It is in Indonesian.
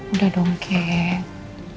udah dong keh